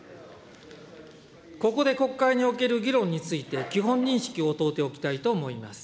ここで国会における議論について、基本認識を問うておきたいと思います。